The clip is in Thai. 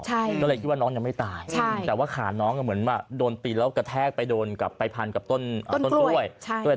ก็เลยคิดว่าน้องยังไม่ตายแต่ว่าขาน้องเหมือนมาโดนปีนแล้วกระแทกไปโดนกับไปพันกับต้นกล้วย